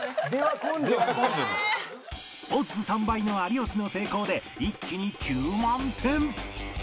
オッズ３倍の有吉の成功で一気に９万点